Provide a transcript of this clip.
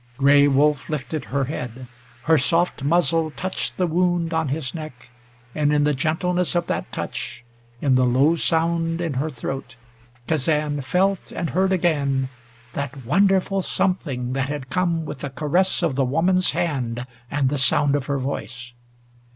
Gray Wolf lifted her head. Her soft muzzle touched the wound on his neck, and in the gentleness of that touch, in the low sound in her throat, Kazan felt and heard again that wonderful something that had come with the caress of the woman's hand and the sound of her voice.